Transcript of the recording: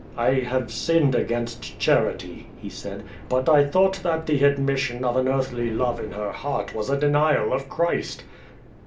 "I have sinned against charity," he said, "but I thought that the admission of an earthly love in her heart was a de nial of Christ."